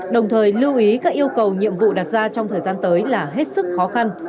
đồng thời lưu ý các yêu cầu nhiệm vụ đặt ra trong thời gian tới là hết sức khó khăn